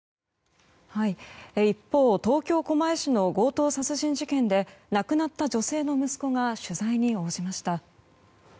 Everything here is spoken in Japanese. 一方、東京・狛江市の強盗殺人事件で亡くなった女性の息子が取材に応じました。